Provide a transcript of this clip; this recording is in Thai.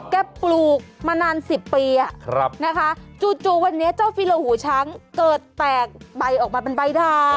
ปลูกมานาน๑๐ปีนะคะจู่วันนี้เจ้าฟิโลหูช้างเกิดแตกใบออกมาเป็นใบด่า